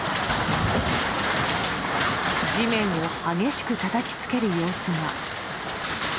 地面を激しくたたきつける様子が。